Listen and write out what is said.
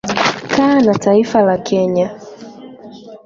Kaa na taifa la Kenya